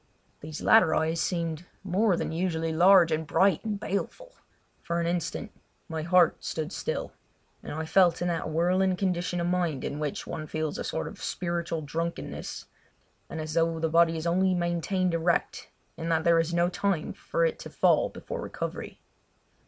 these latter eyes seemed more than usually large and bright and baleful! For an instant my heart stood still, and I felt in that whirling condition of mind in which one feels a sort of spiritual drunkenness, and as though the body is only maintained erect in that there is no time for it to fall before recovery.